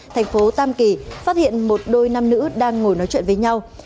thành phố tam kỳ phát hiện một đôi nam nữ đang ngồi nói chuyện với nhau